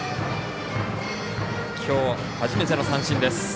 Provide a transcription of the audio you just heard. きょう、初めての三振です。